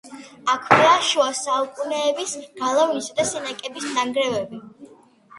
აქვეა შუა საუკუნეების გალავნისა და სენაკების ნანგრევები.